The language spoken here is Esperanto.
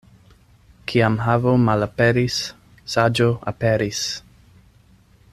Kiam havo malaperis, saĝo aperis.